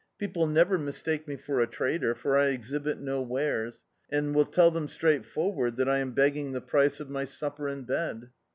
People never mis take mc for a trader, for I exhibit no wares, and tell them straightforward that I am bc^ng the price of my supper and bed."